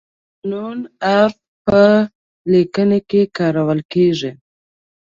د "ن" حرف په لیکنه کې کارول کیږي.